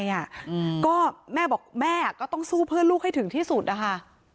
อืมก็แม่บอกแม่ก็ต้องสู้เพื่อลูกให้ถึงที่สุดนะคะ